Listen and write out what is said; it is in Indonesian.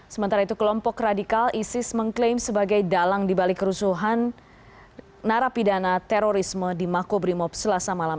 sementara itu kelompok radikal isis mengklaim sebagai dalang dibalik kerusuhan narapidana terorisme di makobrimob selasa malam